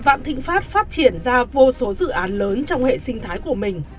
vạn thịnh pháp phát triển ra vô số dự án lớn trong hệ sinh thái của mình